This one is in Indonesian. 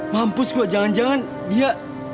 mampus kok jangan jangan dia